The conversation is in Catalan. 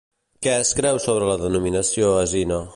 Què es creu sobre la denominació Asine?